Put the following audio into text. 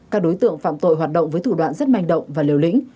các đối tượng phạm tội hoạt động với thủ đoạn rất manh động và liều lĩnh